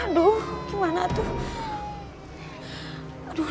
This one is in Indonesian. aduh gimana tuh